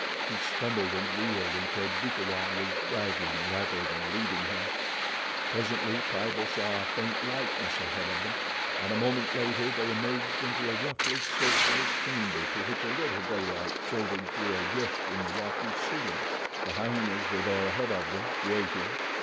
He stumbled and reeled until Bukawai was dragging rather than leading him. Presently Tibo saw a faint lightness ahead of them, and a moment later they emerged into a roughly circular chamber to which a little daylight filtered through a rift in the rocky ceiling. The hyenas were there ahead of them, waiting.